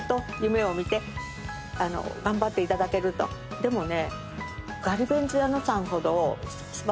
でもね。